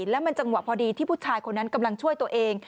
แล้วมันจังหวะพอดีที่ผู้ชายคนนั้นกำลังช่วยตัวเอง